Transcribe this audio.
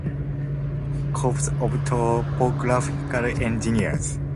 Corps of Topographical Engineers.